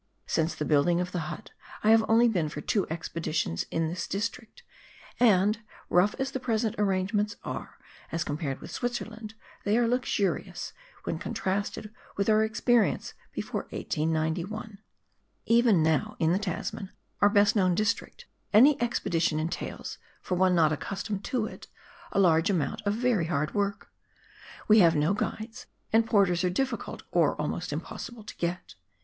Since the building of the hut I have only been for two expeditions in this district, and rough as the present arrangements are, as compared with Switzerland, they are luxurious when contrasted with our experience before 1891. Even now in the Tasman, our best known district, any expedition entails, for one not accustomed to it, a large amount of very hard work. We have no guides, and porters are difficult, or almost impossible to get.